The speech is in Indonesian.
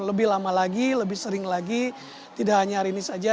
jadi lama lagi lebih sering lagi tidak hanya hari ini saja